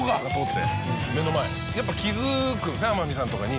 目の前やっぱ気付くんですね天海さんとかに。